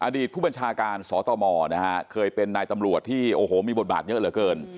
อดีตผู้บัญชาการสตมนะฮะเคยเป็นนายตำรวจที่โอ้โหมีบทบาทเยอะเหลือเกิน